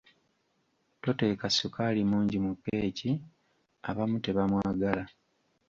Toteeka ssukaali mungi mu kkeeki abamu tebamwagala.